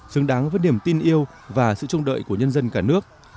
xứng đáng với niềm tin yêu và sự trông đợi của nhân dân cả nước